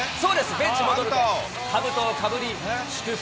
ベンチ戻ると、かぶとをかぶり、祝福。